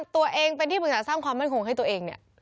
ตัวเองเป็นที่ปรึกษาสร้างความมั่นคงให้ตัวเองเนี่ย